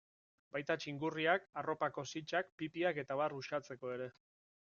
Baita txingurriak, arropako sitsak, pipiak eta abar uxatzeko ere.